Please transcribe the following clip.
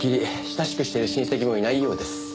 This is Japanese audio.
親しくしてる親戚もいないようです。